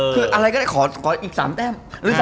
คืออะไรก็ได้ขออีก๓แต้ม